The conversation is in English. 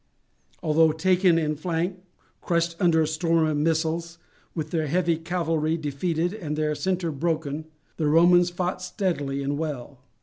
Although taken in flank, crushed under a storm of missiles, with their cavalry defeated and their centre broken, the Romans fought steadily and well.